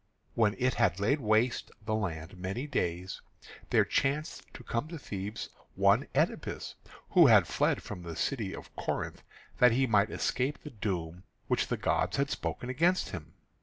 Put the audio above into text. When it had laid waste the land many days, there chanced to come to Thebes one Oedipus, who had fled from the city of Corinth that he might escape the doom which the gods had spoken against him.